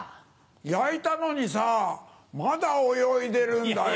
焼いたのにさまだ泳いでるんだよ。